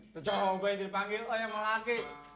pecah oba yang dipanggil oi yang mau lagi